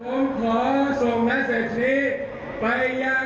และวันที่๑๓ที่จะถึงนี้ครับ